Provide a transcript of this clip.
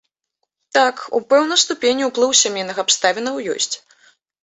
Так, у пэўнай ступені ўплыў сямейных абставінаў ёсць.